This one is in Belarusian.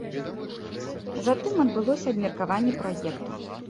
Затым адбылося абмеркаванне праекта.